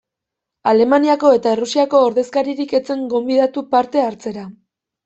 Alemaniako eta Errusiako ordezkaririk ez zen gonbidatu parte hartzera.